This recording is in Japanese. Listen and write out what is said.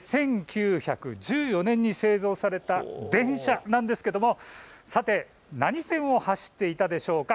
１９１４年に製造された電車なんですけれどもさて何線を走っていたでしょうか。